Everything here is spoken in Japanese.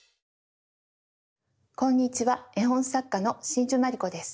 こんにちは絵本作家の真珠まりこです。